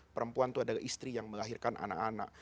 perempuan itu adalah istri yang melahirkan anak anak